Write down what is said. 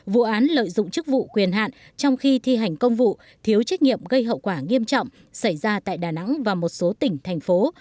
vụ án lợi dụng chức vụ quyền hạn trong khi thi hành công vụ thiếu trách nhiệm gây hậu quả nghiêm trọng xảy ra tại đà nẵng và một số tỉnh thành phố